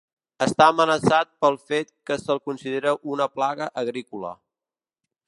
Està amenaçat pel fet que se'l considera una plaga agrícola.